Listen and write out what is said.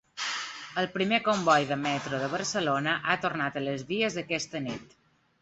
El primer comboi de metro de Barcelona ha tornat a les vies aquesta nit.